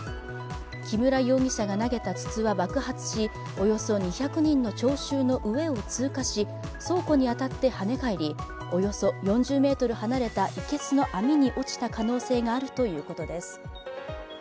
木村容疑者が投げた筒は爆発しおよそ２００人の聴衆の上を通過し倉庫に当たって跳ね返りおよそ４０ｍ離れたいけすの網に落ちた可能性があるということです。